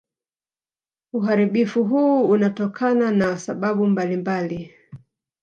Uharibifu huu unatokana na sababu mbalimbali